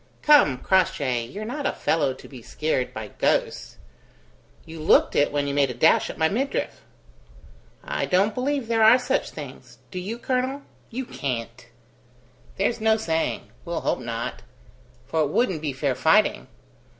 "Come, Crossjay, you're not a fellow to be scared by ghosts? You looked it when you made a dash at my midriff." "I don't believe there are such things. Do you, colonel? You can't!" "There's no saying. We'll hope not; for it wouldn't be fair fighting.